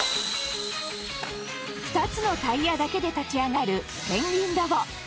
２つのタイヤだけで立ち上がるペンギンロボ。